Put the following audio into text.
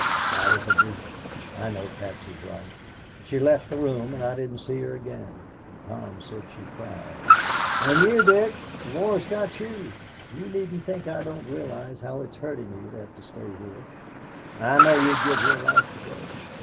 I was a brute. I know Patsy is right. She left the room, and I didn't see her again, and Tom said she cried. "And you, Dick the war's got you. You needn't think I don't realize how it's hurting you to have to stay here. I know you'd give your life to go.